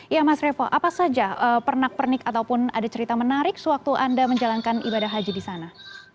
ya mas revo apa saja pernak pernik ataupun ada cerita menarik sewaktu anda menjalankan ibadah haji di sana